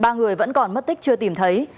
ba người vẫn còn mất tích chưa tìm thấy